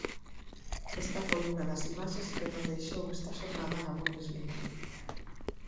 Esta foi unha das imaxes que nos deixou esta xornada na Bundesliga.